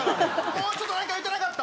もうちょっと何か言うてなかった？